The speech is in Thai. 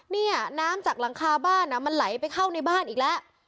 นี่น้ำจากหลังคาบ้านมันไหลไปเข้าในบ้านอีกแล้ว